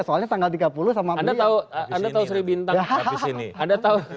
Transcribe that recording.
soalnya tanggal tiga puluh sama beliau